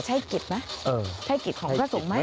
ใช่กฤทธิ์ไหมใช่กฤทธิ์ของพระสงค์ไหม